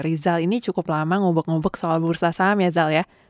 rizal ini cukup lama ngobok ngobok soal bursa saham ya zal ya